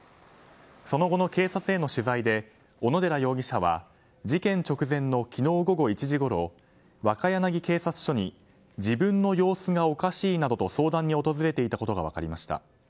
その後の警察への取材で小野寺容疑者は事件直前の昨日午後１時ごろ若柳警察署に自分の様子がおかしいなどと相談に訪れていたことが分かりました。